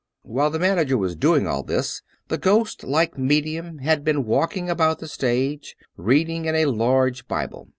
While the manager was doing all this, the ghost like me dium had been walking about the stage, reading in a large Bible.